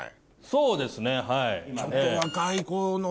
そうですねはい。